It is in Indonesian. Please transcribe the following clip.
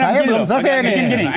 saya belum selesai